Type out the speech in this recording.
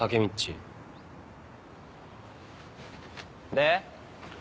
で？